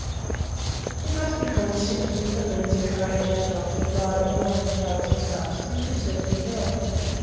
It must be called sympathy that leads a courageous dog to fly at any one who strikes his master, as he certainly will.